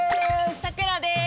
さくらです！